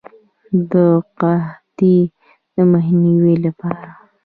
د قحطۍ د مخنیوي لپاره.